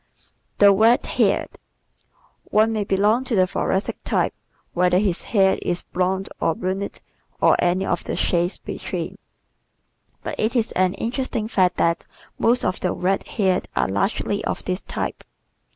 The Red Haired ¶ One may belong to the Thoracic type whether his hair is blonde or brunette or any of the shades between, but it is an interesting fact that most of the red haired are largely of this type.